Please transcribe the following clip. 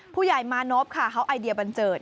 ผู้ใหญ่มานพค่ะเขาไอเดียบันเจิด